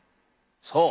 そう！